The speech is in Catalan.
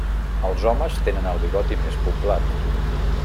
Els homes tenen el bigoti més poblat.